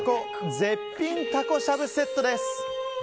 絶品たこしゃぶセットです。